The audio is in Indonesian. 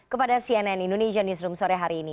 kepada cnn indonesia newsroom sore hari ini